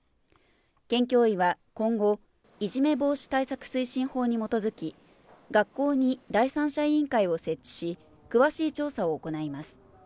県教委は今後、いじめ防止対策推進法に基づき、学校に第三者委員会を設置し、詳しい調査を行います。